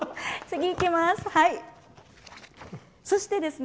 次いきます。